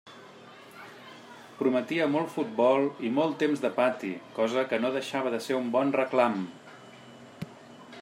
Prometia molt futbol i molt temps de pati, cosa que no deixava de ser un bon reclam.